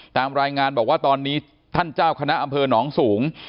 ตามรายงานบอกว่าตอนนี้ท่านเจ้าคณะอำเภอหนองสูง